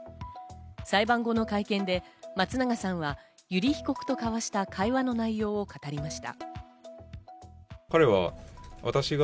裁判後の会見で松永さんは油利被告と交わした会話の内容を語りました。